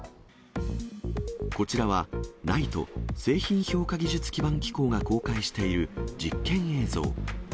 こちらは、ＮＩＴＥ・製品評価技術基盤機構が公開している実験映像。